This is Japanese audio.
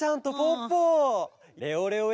レオレオ